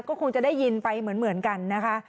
ก็คงจะได้ยินไปเหมือนกันนะคะ